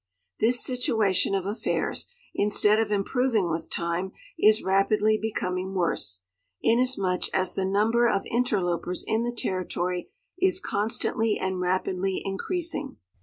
This situation of affairs, instead of improving with time, is rapidly becoming worse, inasmuch as the number of interlopers in the Territoiy is constantly and rapidly increasing.